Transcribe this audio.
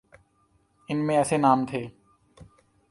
ان میں ایسے نام تھے۔